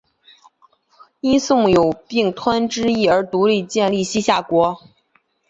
因宋朝有并吞之意而独立建立西夏国。